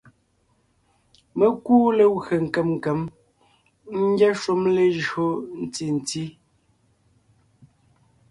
Mé kúu legwé nkèm nkèm ngyɛ́ shúm lejÿo ntí nti;